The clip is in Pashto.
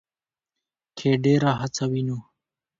کې ډېره هڅه وينو